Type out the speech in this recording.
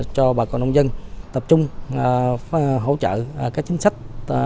cho bà con nông dân tập trung hỗ trợ các chính sách